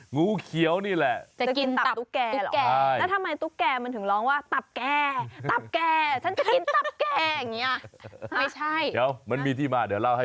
งูเขียวนี่แหละ